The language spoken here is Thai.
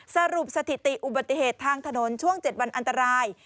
สรุปสถิติอุบัติเหตุทางถนนช่วง๗วันอันตราย